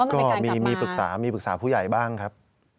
ก็มีปรึกษาผู้ใหญ่บ้างครับ